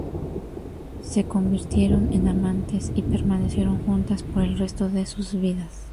Se convirtieron en amantes y permanecieron juntas por el resto de sus vidas.